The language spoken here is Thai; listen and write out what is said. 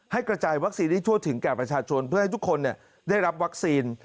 กระจายวัคซีนได้ทั่วถึงแก่ประชาชนเพื่อให้ทุกคนได้รับวัคซีน